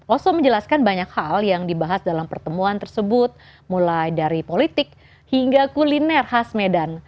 oso menjelaskan banyak hal yang dibahas dalam pertemuan tersebut mulai dari politik hingga kuliner khas medan